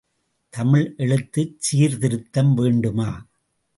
தமிழ் எழுத்துச் சீர்திருத்தம் வேண்டுமா?